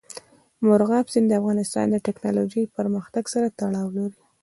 مورغاب سیند د افغانستان د تکنالوژۍ پرمختګ سره تړاو لري.